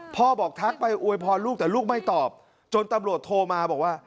พ่อบอกทักไปอวยพรลูกแต่ลูกไม่ตอบจนตำรวจโทรมาบอกว่า